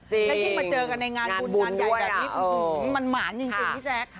และยิ่งมาเจอกันในงานบุญงานใหญ่แบบนี้มันหมานจริงพี่แจ๊ค